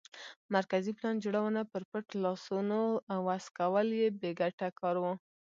مرکزي پلان جوړونه پر پټ لاسونو عوض کول بې ګټه کار و